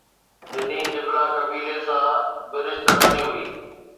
بني جبله قبيلي سان به رشتيداري هئي